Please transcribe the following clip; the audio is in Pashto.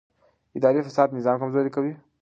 اداري فساد نظام کمزوری کوي